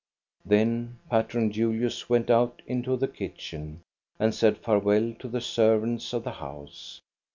Then Patron Julius went out into the kitchen and said farewell to the servants of the house.